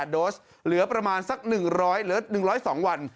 ๔๕๙๘๗๗๗๘โดสเหลือประมาณสัก๑๐๐หรือ๑๐๒วัน